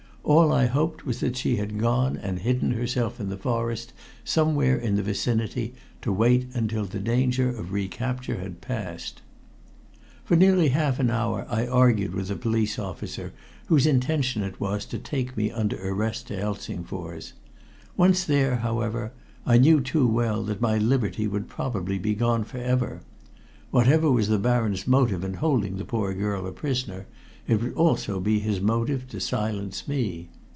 All I hoped was that she had gone and hidden herself in the forest somewhere in the vicinity to wait until the danger of recapture had passed. For nearly half an hour I argued with the police officer whose intention it was to take me under arrest to Helsingfors. Once there, however, I knew too well that my liberty would be probably gone for ever. Whatever was the Baron's motive in holding the poor girl a prisoner, it would also be his motive to silence me.